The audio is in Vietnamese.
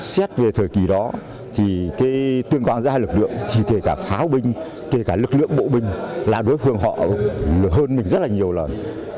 xét về thời kỳ đó thì cái tương quan giữa hai lực lượng chỉ kể cả pháo binh kể cả lực lượng bộ binh là đối phương họ hơn mình rất là nhiều lần